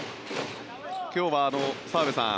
今日は澤部さん